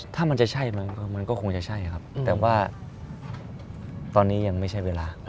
ถ้ามันจะใช่มันก็คงจะใช่ครับแต่ว่าตอนนี้ยังไม่ใช่เวลา